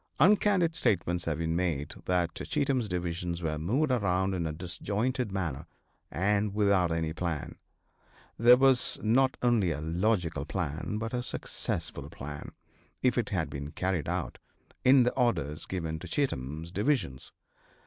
Uncandid statements have been made that Cheatham's divisions were moved around in a disjointed manner and without any plan. There was not only a logical plan but a successful plan, if it had been carried out, in the orders given to Cheatham's divisions.